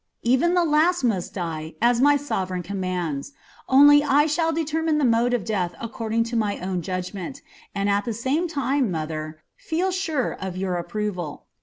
"Even the last must die, as my sovereign commands; only I shall determine the mode of death according to my own judgment, and at the same time, mother, feel sure of your approval.